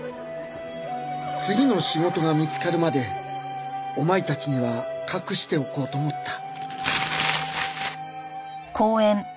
「次の仕事が見つかるまでお前たちには隠しておこうと思った」